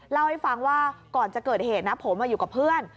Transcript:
เล่าให้ฟังว่าก่อนจะเกิดเหตุนะผมอยู่กับเพื่อน